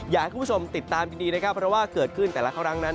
อยากให้คุณผู้ชมติดตามดีนะครับเพราะว่าเกิดขึ้นแต่ละครั้งนั้น